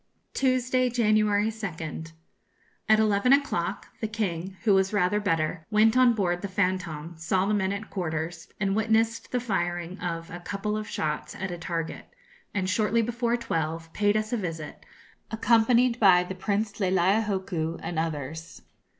_ Tuesday, January 2nd. At eleven o'clock, the King, who was rather better, went on board the 'Fantôme,' saw the men at quarters, and witnessed the firing of a couple of shots at a target, and shortly before twelve paid us a visit, accompanied by the Prince Leleiohoku and others.